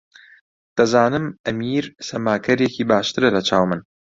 دەزانم ئەمیر سەماکەرێکی باشترە لەچاو من.